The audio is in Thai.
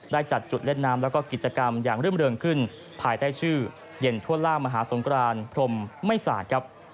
จัดจุดเล่นน้ำแล้วก็กิจกรรมอย่างรื่มเริงขึ้นภายใต้ชื่อเย็นทั่วล่ามหาสงครานพรมไม่ศาสตร์ครับ